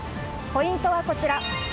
ポイントはこちら。